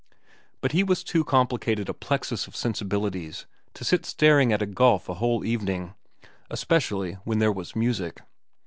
But he was too complicated a plexus of sensibilities to sit staring at a gulf a whole evening, especially when there was music.